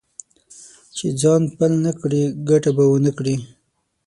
چې ځان پل نه کړې؛ ګټه به و نه کړې.